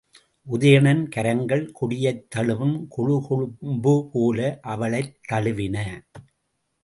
உதயணன் கரங்கள் கொடியைத் தழுவும் கொழுகொழும்பு போல அவளைத் தழுவின.